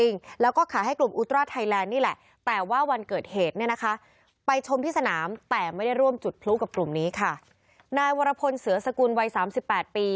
นายวรพลเสือสกุลวัย๓๘ปี